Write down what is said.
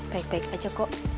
baik baik aja kok